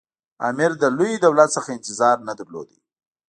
امیر له لوی دولت څخه انتظار نه درلود.